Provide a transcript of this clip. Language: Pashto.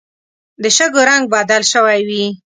د شګو رنګ بدل شوی وي